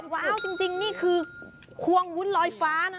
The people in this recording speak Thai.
ว้าวจริงนี่คือควงวุ้นลอยฟ้านะ